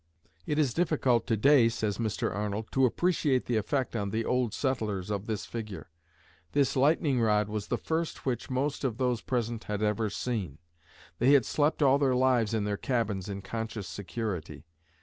'" "It is difficult to day," says Mr. Arnold, "to appreciate the effect on the old settlers, of this figure. This lightning rod was the first which most of those present had ever seen. They had slept all their lives in their cabins in conscious security.